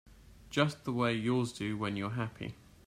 Just the way yours do when you're happy.